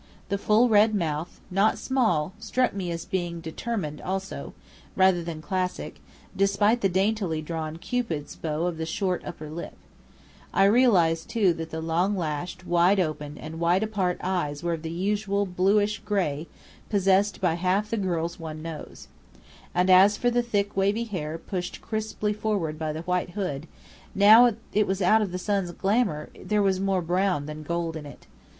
The full red mouth, not small, struck me as being determined also, rather than classic, despite the daintily drawn cupid's bow of the short upper lip. I realized too that the long lashed, wide open, and wide apart eyes were of the usual bluish gray possessed by half the girls one knows. And as for the thick wavy hair pushed crisply forward by the white hood, now it was out of the sun's glamour, there was more brown than gold in it.